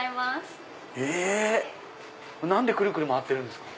何でくるくる回ってるんですか？